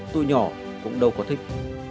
tụi nhỏ cũng đâu có thích